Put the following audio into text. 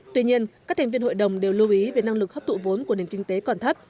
tuy nhiên các thành viên hội đồng đều lưu ý về năng lực hấp tụ vốn của nền kinh tế còn thấp